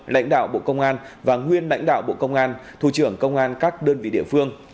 lãnh đạo bộ công an và nguyên lãnh đạo bộ công an thủ trưởng công an các đơn vị địa phương